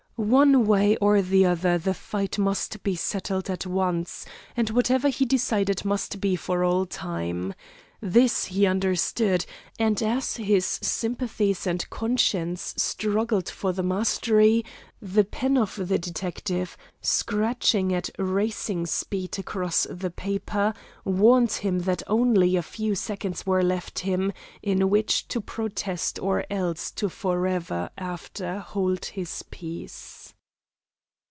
One way or the other the fight must be settled at once, and whatever he decided must be for all time. This he understood, and as his sympathies and conscience struggled for the mastery the pen of the detective, scratching at racing speed across the paper, warned him that only a few seconds were left him in which to protest or else to forever after hold his peace.